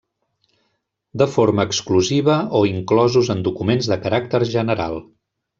De forma exclusiva o inclosos en documents de caràcter general.